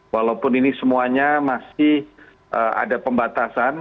walaupun ini semuanya masih ada pembatasan